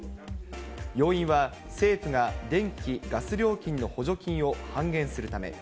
要因は、政府が電気・ガス料金の補助金を半減するため。